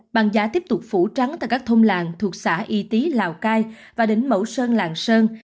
bàn giá tiếp tục phủ trắng tại các thông làng thuộc xã y tý lào cai và đỉnh mẫu sơn làng sơn